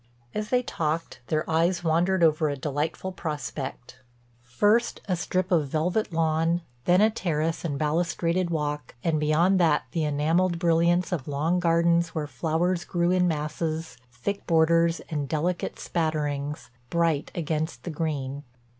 As they talked, their eyes wandered over a delightful prospect. First a strip of velvet lawn, then a terrace and balustraded walk, and beyond that the enameled brilliance of long gardens where flowers grew in masses, thick borders, and delicate spatterings, bright against the green.